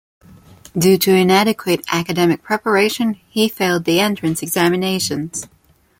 Due to inadequate academic preparation, he failed the entrance examinations.